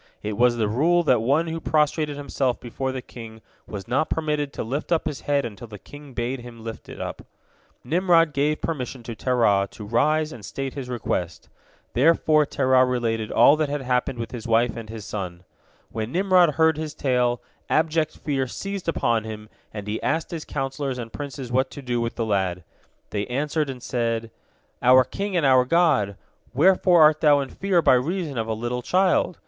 It was the rule that one who prostrated himself before the king was not permitted to lift up his head until the king bade him lift it up. Nimrod gave permission to Terah to rise and state his request. Thereupon Terah related all that had happened with his wife and his son. When Nimrod heard his tale, abject fear seized upon him, and he asked his counsellors and princes what to do with the lad. They answered, and said: "Our king and our god! Wherefore art thou in fear by reason of a little child?